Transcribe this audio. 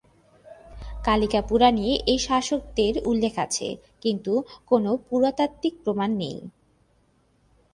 কালিকা পুরাণে এই শাসকদের উল্লেখ আছে কিন্তু কোনো পুরাতাত্ত্বিক প্রমাণ নেই।